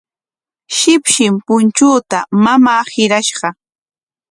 Shipshin punchuuta mamaa hirashqa.